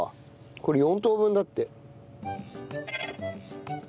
これ４等分だって。